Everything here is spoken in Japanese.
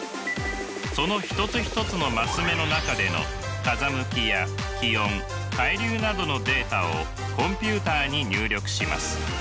その一つ一つの升目の中での風向きや気温海流などのデータをコンピューターに入力します。